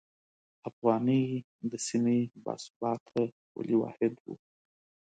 افغانۍ د سیمې باثباته پولي واحد و.